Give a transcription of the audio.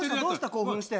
興奮して。